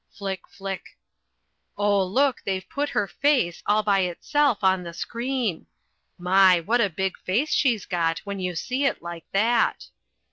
Flick, flick! Oh, look, they've put her face, all by itself, on the screen. My! what a big face she's got when you see it like that.